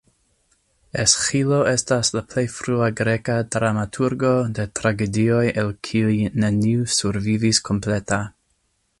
Esĥilo estas la plej frua greka dramaturgo de tragedioj el kiuj neniu survivis kompleta.